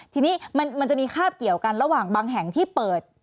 ทีนี้มันจะมีคาบเกี่ยวกันระหว่างบางแห่งที่เปิด